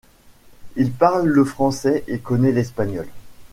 Il parle le français et connaît l'espagnol.